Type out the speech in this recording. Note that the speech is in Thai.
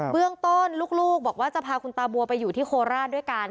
เรื่องต้นลูกบอกว่าจะพาคุณตาบัวไปอยู่ที่โคราชด้วยกัน